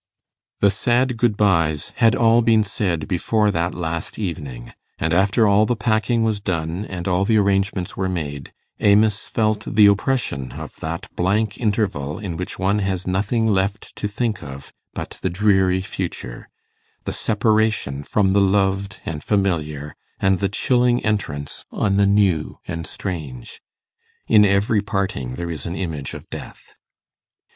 The sad good byes had all been said before that last evening; and after all the packing was done and all the arrangements were made, Amos felt the oppression of that blank interval in which one has nothing left to think of but the dreary future the separation from the loved and familiar, and the chilling entrance on the new and strange. In every parting there is an image of death.